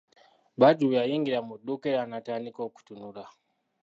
Badru yayingira mu dduuka era n'atandika okutunula.